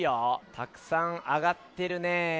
たくさんあがってるね。